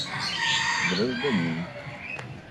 Гражданин